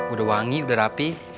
udah wangi udah rapi